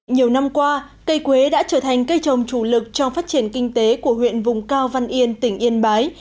nhiều năm qua cây quế đã trở thành cây trồng chủ lực trong phát triển kinh tế của huyện vùng cao văn yên tỉnh yên bái